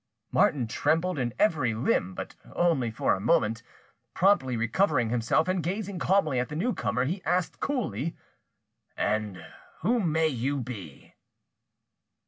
Martin trembled in every limb, but only for a moment. Promptly recovering himself, and gazing calmly at the newcomer, he asked coolly— "And who may you be?"